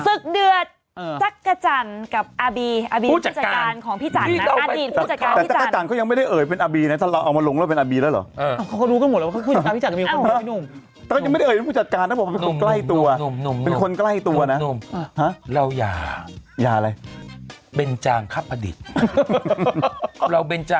สึกเดือดทักกะจันทร์กับอ้าบีภูติจัดการของพี่จันทร์นะ